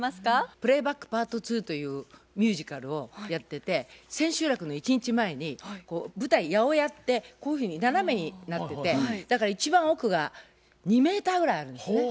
「プレイバックＰａｒｔ２」というミュージカルをやってて千秋楽の１日前に舞台八百屋ってこういうふうに斜めになっててだから一番奥が２メーターぐらいあるんですね。